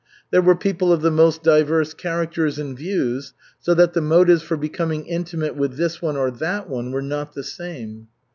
There were people of the most diverse characters and views, so that the motives for becoming intimate with this one or that one were not the same.